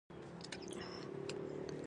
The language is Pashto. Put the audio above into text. منل د بل پړاو پیل دی.